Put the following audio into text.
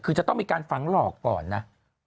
คือจะต้องมีการฝังหลอกก่อนนะ